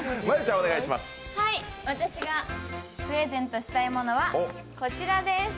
私がプレゼントしたいものは、こちらです。